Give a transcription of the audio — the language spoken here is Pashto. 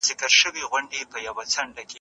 خو بايد سم ليکل دود کړو.